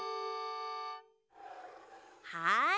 はい。